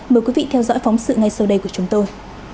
mời quý vị theo dõi phóng sự ngay sau đây của chúng tôi